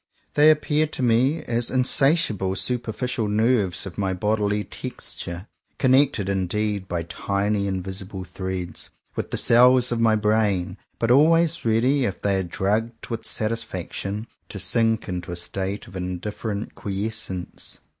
They appear to me as insatiable superficial nerves of my bodily texture — connected indeed, by tiny invisible threads, with the cells of my brain, but always ready, if they are drugged with satisfaction, to sink into a state of indiff^erent quiescence.